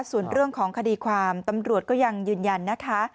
ส่วนเรื่องของคดีความตำรวจก็ยังยืนยันนะคะ